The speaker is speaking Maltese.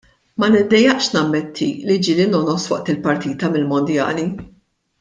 Ma niddejjaqx nammetti li ġieli nongħos waqt partita mill-mondjali.